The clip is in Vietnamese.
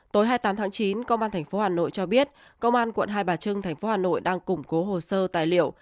tối hai mươi tám tháng chín công an tp hà nội cho biết công an quận hai bà trưng thành phố hà nội đang củng cố hồ sơ tài liệu